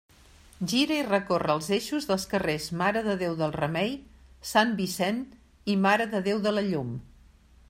Gira i recorre els eixos dels carrers Mare de Déu del Remei, Sant Vicent i Mare de Déu de la Llum.